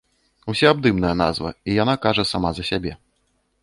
Усёабдымная назва, і яна кажа сама за сябе.